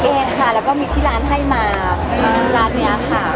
เองค่ะแล้วก็มีที่ร้านให้มาร้านนี้ค่ะ